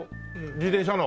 自転車の。